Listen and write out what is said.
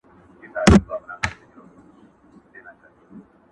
قاسم یاره چي سپېڅلی مي وجدان سي